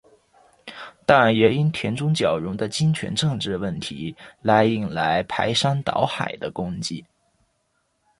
但也因田中角荣的金权政治问题来引来排山倒海的攻击。